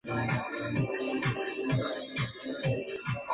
La región permaneció durante casi cinco años bajo el gobierno de Sennar.